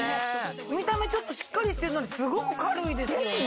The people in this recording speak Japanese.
見た目しっかりしてんのにすごく軽いですよね。